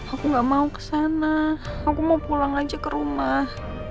aku gak mau ke sana aku mau pulang aja ke rumah